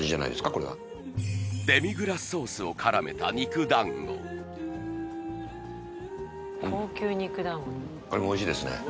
これはデミグラスソースをからめた肉団子うんこれもおいしいですね